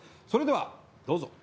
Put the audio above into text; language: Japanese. それではどうぞ。